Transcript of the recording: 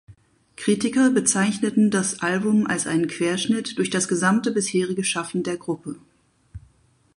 Kritiker bezeichneten das Album als einen Querschnitt durch das gesamte bisherige Schaffen der Gruppe.